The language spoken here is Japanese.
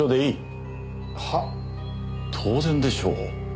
当然でしょう？